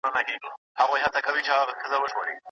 پوهانو ويلي چي په اقتصاد کي صبر پکار دی.